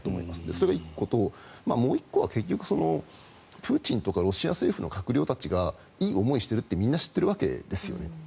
それが１個ともう１個は結局、プーチンとかロシア政府の閣僚たちがいい思いをしているとみんな知っているわけですね。